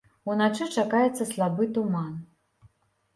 Уначы чакаецца слабы туман.